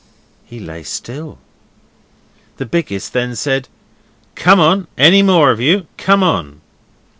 He lay still. The biggest then said, 'Come on any more of you? Come on!